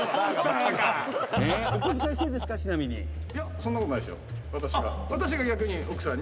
そんなことないですよ。